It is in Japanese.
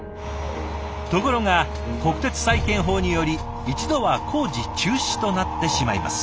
ところが国鉄再建法により一度は工事中止となってしまいます。